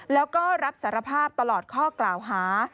แล้วก็รับสารภาพตลอดข้อกล่าวหา